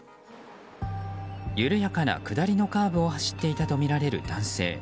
緩やかな下りのカーブを走っていたとみられる男性。